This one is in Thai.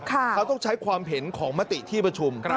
เขาต้องใช้ความเห็นของมติที่ประชุม